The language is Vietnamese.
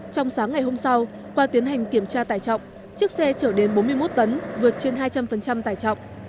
trong sáng ngày hôm sau qua tiến hành kiểm tra tải trọng chiếc xe chở đến bốn mươi một tấn vượt trên hai trăm linh tải trọng